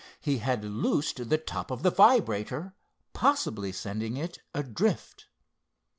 He had loosed the top of the vibrator, probably sending it adrift.